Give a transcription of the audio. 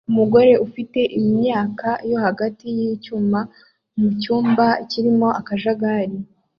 Umugore ufite imyaka yo hagati yicyuma mucyumba kirimo akajagari